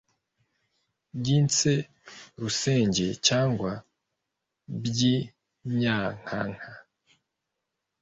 by 'inyarusenge cyangwa by 'inyankanka